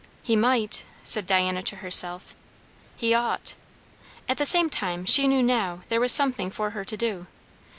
"He might," said Diana to herself, "he ought," at the same time she knew now there was something for her to do.